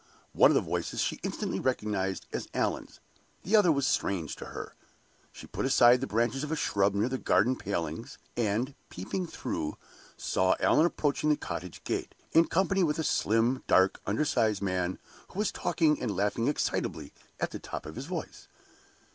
One of the voices she instantly recognized as Allan's; the other was strange to her. She put aside the branches of a shrub near the garden palings, and, peeping through, saw Allan approaching the cottage gate, in company with a slim, dark, undersized man, who was talking and laughing excitably at the top of his voice.